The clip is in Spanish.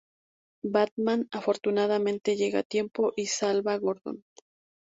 Batman afortunadamente, llega a tiempo y salva a Gordon.